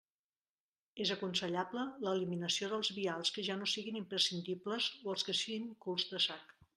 És aconsellable l'eliminació dels vials que ja no siguin imprescindibles o els que siguin culs de sac.